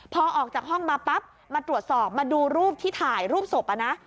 พอออกจากห้องมาปั๊บมาตรวจสอบมาดูรูปที่ถ่ายรูปศพนะ